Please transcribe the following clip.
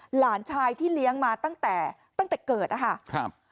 หลานชายที่เลี้ยงมาตั้งแต่ตั้งแต่เกิดนะคะครับ